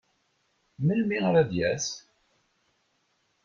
Melmi ara d-yas?